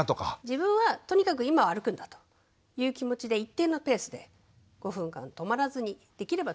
自分はとにかく今は歩くんだという気持ちで一定のペースで５分間止まらずにできれば止まらずに。